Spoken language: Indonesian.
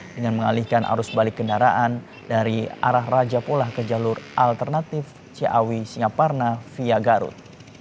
dengan mengalihkan arus balik kendaraan dari arah raja pulau ke jalur alternatif ciawi singaparna via garut